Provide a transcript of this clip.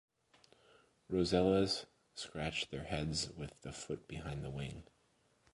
Rosellas scratch their heads with the foot behind the wing.